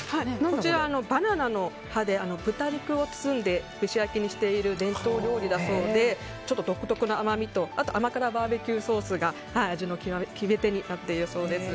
こちらバナナの葉で豚肉を包んで蒸し焼きにしている伝統料理だそうで独特な甘みと甘辛バーベキューソースが味の決め手になっているそうです。